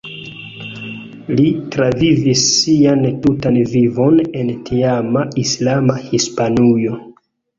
Li travivis sian tutan vivon en tiama islama Hispanujo.